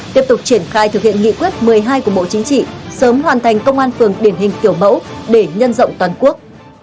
tiếp tục triển khai thực hiện nghị quyết một mươi hai của bộ chính trị sớm hoàn thành công an phường điển hình kiểu mẫu để nhân rộng toàn quốc